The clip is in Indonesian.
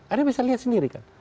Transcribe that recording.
anda bisa lihat sendiri kan